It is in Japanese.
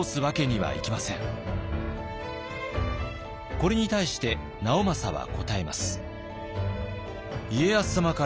これに対して直政は答えます。